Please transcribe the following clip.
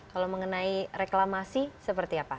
kalau mengenai reklamasi seperti apa